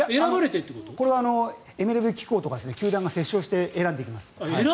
これはＭＬＢ機構とか球団が折衝して選んでいきます。